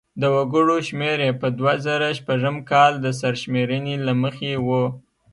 د وګړو شمېر یې په دوه زره شپږم کال د سرشمېرنې له مخې و.